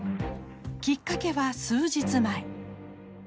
きっかけは数日前。